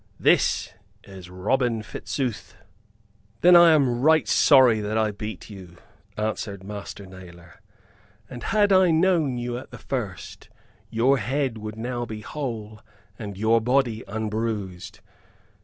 This is Robin Fitzooth." "Then I am right sorry that I beat you," answered Master Nailor. "And had I known you at the first your head would now be whole and your body unbruised.